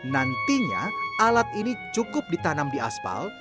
nantinya alat ini cukup ditanam di aspal